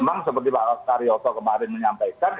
memang seperti pak rastari oso kemarin menyampaikan